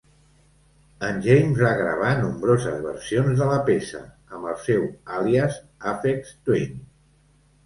En James va gravar nombroses versions de la peça amb el seu àlies "Aphex Twin".